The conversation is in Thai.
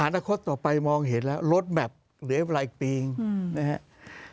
อนาคตต่อไปมองเห็นแล้วลดแมพเหลือเวลาอีกปีงนะครับ